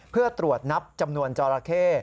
เพื่อตรวจนับจำนวนจอราเข้